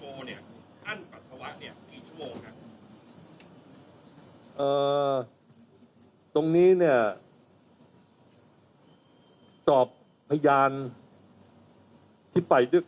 ก็ได้ขับถ่ายปัสสาวะอีกกี่ชั่วโมงและได้สอบถามแพทย์นิกนิเวศไหมครับว่า